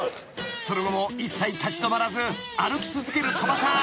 ［その後も一切立ち止まらず歩き続ける鳥羽さん］